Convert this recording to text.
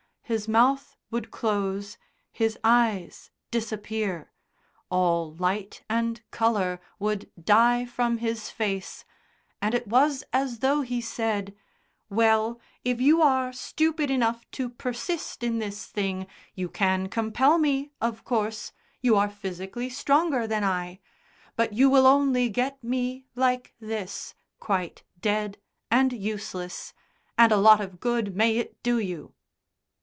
His mouth would close, his eyes disappear, all light and colour would die from his face, and it was as though he said: "Well, if you are stupid enough to persist in this thing you can compel me, of course you are physically stronger than I but you will only get me like this quite dead and useless, and a lot of good may it do you!"